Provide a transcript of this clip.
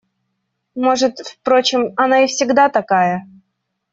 Может, впрочем, она и всегда такая.